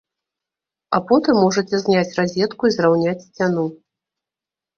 А потым можаце зняць разетку і зраўняць сцяну.